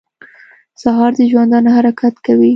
سهار د ژوندانه حرکت کوي.